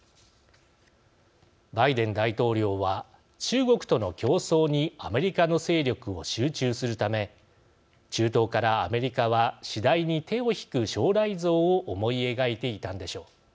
バイデン大統領は中国との競争にアメリカの勢力を集中するため中東からアメリカは次第に手を引く将来像を思い描いていたんでしょう。